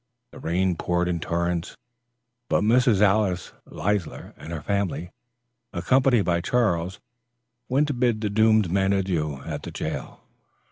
The rain poured in torrents; but Mrs. Alice Leisler and her family, accompanied by Charles, went to bid the doomed men adieu at the jail.